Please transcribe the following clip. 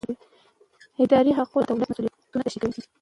اداري حقوق د دولت مسوولیتونه تشریح کوي.